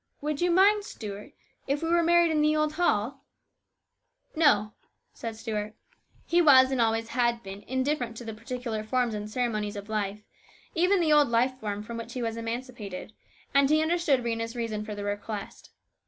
Would you mind, Stuart, if we were married in the old hall ?"" No," said Stuart. He was, and always had been, AN ORATOR. 281 indifferent to the particular forms and ceremonies of life, even the old life from which he was now emancipated, and he understood Rhena's reason for this request.